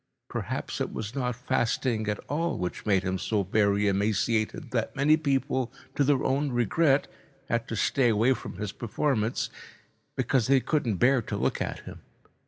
Perhaps it was not fasting at all which made him so very emaciated that many people, to their own regret, had to stay away from his performance, because they couldn't bear to look at him.